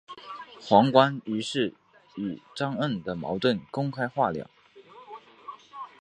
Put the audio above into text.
黄绾于是与张璁的矛盾公开化了。